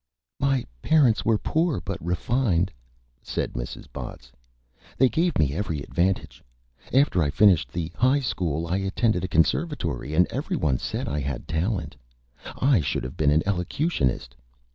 "My Parents were Poor, but Refined," said Mrs. Botts. "They gave me Every Advantage. After I finished the High School I attended a Conservatory, and every one said I had Talent. I should have been an Elocutionist.